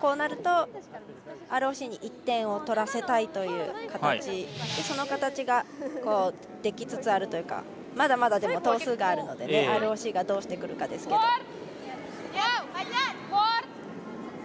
こうなるとＲＯＣに１点を取らせたいというその形ができつつあるというかまだまだ、投数があるのでＲＯＣがどうしてくるかですけど。